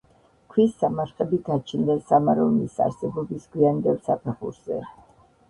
ქვის სამარხები გაჩნდა სამაროვნის არსებობის გვიანდელ საფეხურზე.